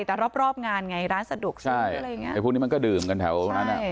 แต่รอบงานไงร้านสะดวกซื้อพวกนี้มันก็ดื่มแถวนั้น